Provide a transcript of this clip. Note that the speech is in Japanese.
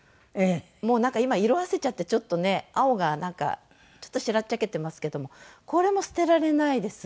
もうなんか今色あせちゃってちょっとね青がなんかしらっちゃけてますけどもこれも捨てられないです。